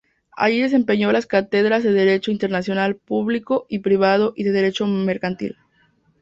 Allí desempeñó las cátedras de Derecho Internacional Público y Privado y de Derecho Mercantil.